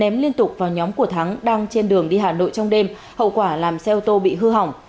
chém liên tục vào nhóm của thắng đang trên đường đi hà nội trong đêm hậu quả làm xe ô tô bị hư hỏng